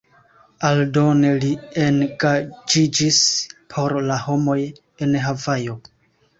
Aldone li engaĝiĝis por la homoj en Havajo.